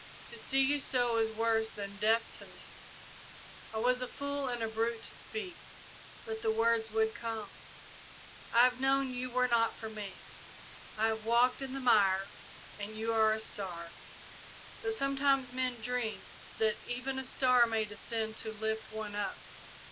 To see you so is worse than death to me. I was a fool and a brute to speak, but the words would come. I have known you were not for me. I have walked in the mire, and you are a star; but sometimes men dream that even a star may descend to lift one up.